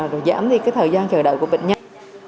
rồi giảm đi cái thời gian chờ đợi của bệnh nhân